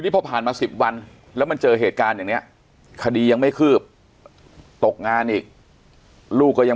พอผ่านมา๑๐วันแล้วมันเจอเหตุการณ์อย่างนี้คดียังไม่คืบตกงานอีกลูกก็ยัง